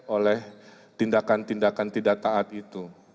oleh tindakan tindakan tidak taat itu